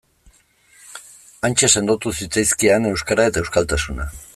Hantxe sendotu zitzaizkidan euskara eta euskaltasuna.